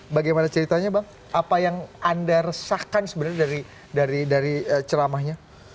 bagaimana ceritanya bang apa yang anda resahkan sebenarnya dari ceramahnya